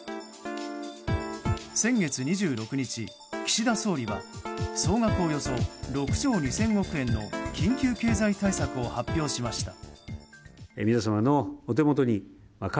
先月２６日、岸田総理は総額およそ６兆２０００億円の緊急経済対策を発表しました。